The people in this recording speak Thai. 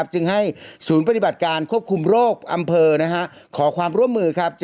จึงให้ศูนย์ปฏิบัติการควบคุมโรคอำเภอขอความร่วมมือครับ